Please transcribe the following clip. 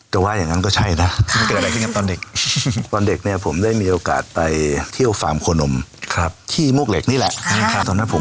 จะไหว้อย่างงั้นก็ใช่นะใช่ทั้งแต่กับตอนเด็ก